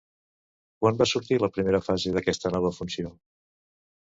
Quan va sortir la primera fase d'aquesta nova funció?